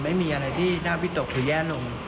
ไม่มีอะไรที่น่าวิตกหรือแย่ลง